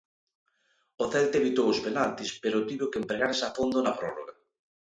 O Celta evitou os penaltis pero tivo que empregarse a fondo na prórroga.